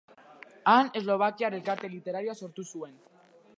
Han Eslovakiar Elkarte Literarioa sortu zuen.